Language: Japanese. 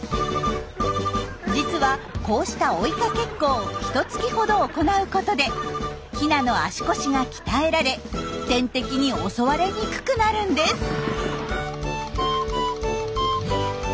実はこうした追いかけっこをひとつきほど行うことでヒナの足腰が鍛えられ天敵に襲われにくくなるんです。